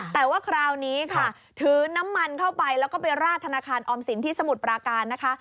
แต่ว่าคราวนี้ค่ะถือน้ำมันเข้าไปแล้วก็ไปราดธนาคารออมสินที่สมุทรปราการนะคะ